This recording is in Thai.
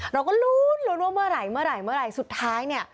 เราก็รู้รู้รู้ว่าเมื่อไหร่สุดท้าย